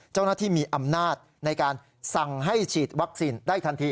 เจ้าหน้าที่มีอำนาจในการสั่งให้ฉีดวัคซีนได้ทันที